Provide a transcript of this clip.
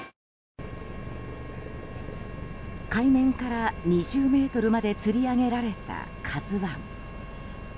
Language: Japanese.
海面から２０ｍまでつり上げられた「ＫＡＺＵ１」。